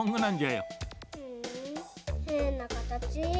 ふんへんなかたち。